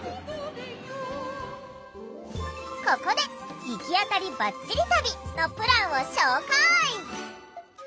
ここで「行き当たりバッチリ旅」のプランを紹介！